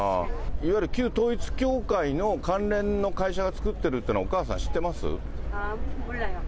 いわゆる旧統一教会の関連の会社が作ってるっていうのをお母さん知ってます？